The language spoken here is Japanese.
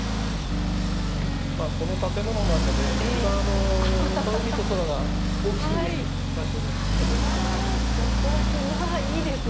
この建物の中で一番海と空が大きく見える場所です。